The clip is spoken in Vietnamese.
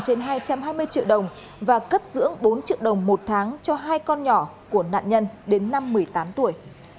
trên hai trăm hai mươi triệu đồng và cấp dưỡng bốn triệu đồng một tháng cho hai con nhỏ của nạn nhân đến năm một mươi tám tuổi